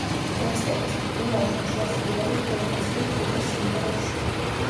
ტექსტების მხრივ, ალბომში ასევე არის პროგრესი ჯგუფის სიმღერებში.